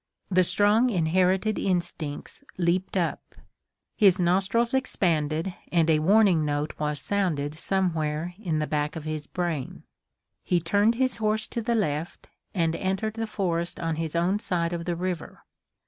The strong, inherited instincts leaped up. His nostrils expanded and a warning note was sounded somewhere in the back of his brain. He turned his horse to the left and entered the forest on his own side of the river.